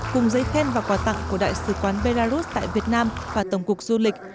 cùng giấy khen và quà tặng của đại sứ quán belarus tại việt nam và tổng cục du lịch